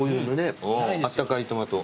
あったかいトマト。